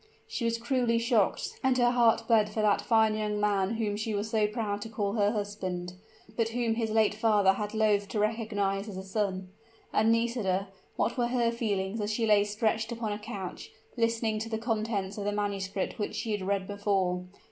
She was cruelly shocked, and her heart bled for that fine young man whom she was so proud to call her husband, but whom his late father had loathed to recognize as a son. And Nisida what were her feelings as she lay stretched upon a couch, listening to the contents of the manuscript which she had read before?